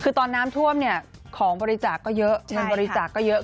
คือตอนน้ำท่วมของบริจาคก็เยอะบริจาคก็เยอะ